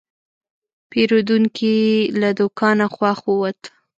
پیرودونکی له دوکانه خوښ ووت.